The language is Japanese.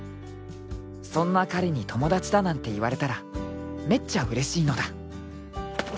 そんな彼に友達だなんて言われたらめっちゃうれしいのだ